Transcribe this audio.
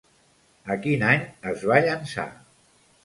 A quin any es va llançar?